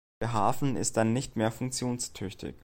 Der Hafen ist dann nicht mehr funktionstüchtig.